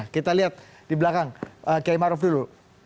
kita lihat di belakang km arief dulu